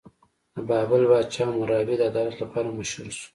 د بابل پاچا حموربي د عدالت لپاره مشهور شو.